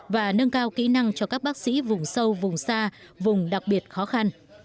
và nâng cao kỹ năng cho các bác sĩ vùng sâu vùng xa vùng đặc biệt khó khăn